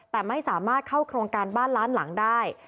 แต่ไม่สามารถเข้าโครงการบ้านล้านหลังได้